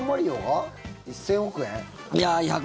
約１０００億円。